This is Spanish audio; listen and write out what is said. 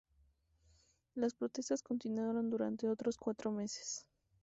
Las protestas continuaron durante otros cuatro meses.